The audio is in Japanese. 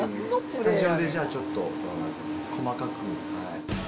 スタジオでじゃあちょっと、細かく。